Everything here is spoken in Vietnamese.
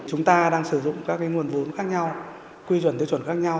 chúng ta đang sử dụng các nguồn vốn khác nhau quy chuẩn tiêu chuẩn khác nhau